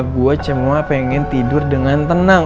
gue semua pengen tidur dengan tenang